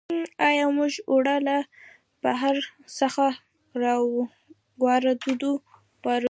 آیا موږ اوړه له بهر څخه واردوو؟